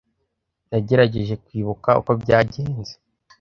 Nagerageje kwibuka uko byagenze.